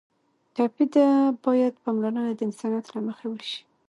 ټپي ته باید پاملرنه د انسانیت له مخې وشي.